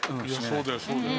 そうだよそうだよ。